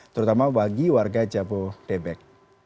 terutama bagi warga jabodebek